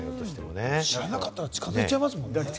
知らなかったら近づいちゃいますよね。